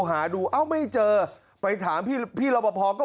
หาดูเอ่อไม่เจอไปถามพี่พี่เราพอพอค่ะ